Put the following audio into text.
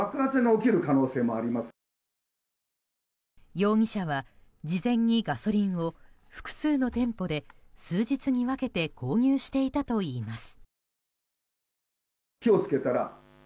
容疑者は事前にガソリンを、複数の店舗で数日に分けて購入していたといいます。